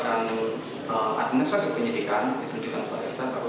ini juga bisa dikitar sampai kom inmates berkata